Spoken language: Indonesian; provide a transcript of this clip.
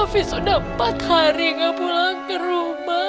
hafiz udah empat hari ga pulang ke rumah